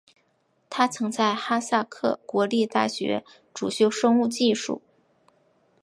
他曾在哈萨克国立大学主修生物技术。